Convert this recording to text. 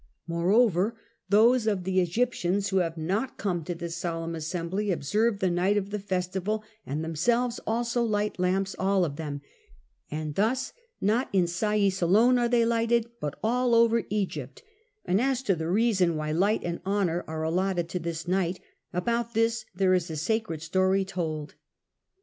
Moreover those of the Egyptians who have not come to this solemn assembly observe the night of the festival and themselves also light lamps all of them, and thus not in Sais alone are they lighted, but over all Egypt: and as to the reason why light and honour are allotted to this night, about this there is a sacred story told.